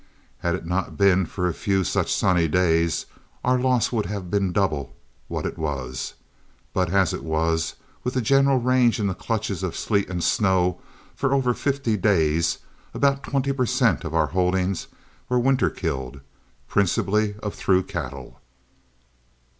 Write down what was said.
Had it not been for a few such sunny days, our loss would have been double what it was; but as it was, with the general range in the clutches of sleet and snow for over fifty days, about twenty per cent, of our holdings were winter killed, principally of through cattle.